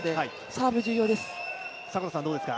サーブ、重要です。